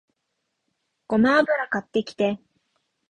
ごま油買ってきて